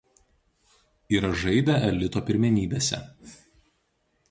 Yra žaidę elito pirmenybėse.